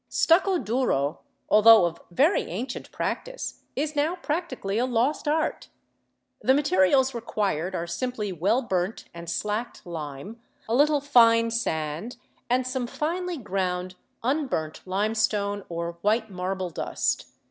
Stucco duro, although of very ancient practice, is now practically a lost art. The materials required are simply well burnt and slacked lime, a little fine sand, and some finely ground unburnt lime stone or white marble dust.